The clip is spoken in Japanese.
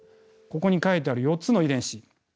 ここに書いてある４つの遺伝子。